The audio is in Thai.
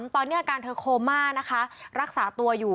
ตอนนี้อาการเธอโคม่านะคะรักษาตัวอยู่